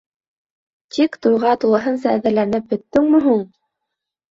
Тик туйға тулыһынса әҙерләнеп бөттөңмө һуң?